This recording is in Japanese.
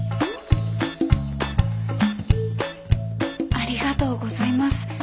ありがとうございます。